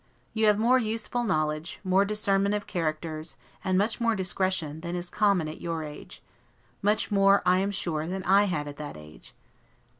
You have more useful knowledge, more discernment of characters, and much more discretion, than is common at your age; much more, I am sure, than I had at that age.